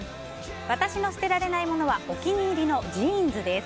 私の捨てられないものはお気に入りのジーンズです。